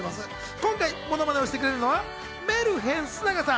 今回ものまねをしてくれるのはメルヘン須長さん。